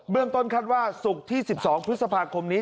ต้นคาดว่าศุกร์ที่๑๒พฤษภาคมนี้